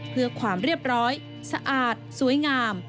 เพื่อความเรียบร้อยสะอาดสวยงาม